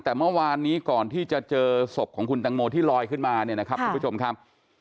แต่เมื่อวานนี้ก่อนที่จะเจอศพของคุณตังโมที่ลอยขึ้นมาเนี่ยนะครับทุกผู้ชมครับ